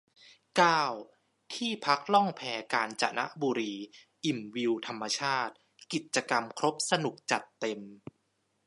เก้า ที่พักล่องแพกาญจนบุรี อิ่มวิวธรรมชาติ กิจกรรมครบสนุกจัดเต็ม